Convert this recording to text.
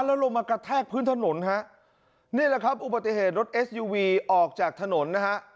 แล้วลงมากระแทกพื้นถนนฮะนี่แหละครับอุบัติเหตุรถเอสยูวีออกจากถนนนะฮะ